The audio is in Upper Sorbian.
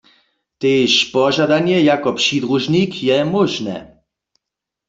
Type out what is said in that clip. Tež požadanje jako přidružnik je móžne.